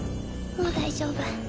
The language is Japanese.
もう大丈夫。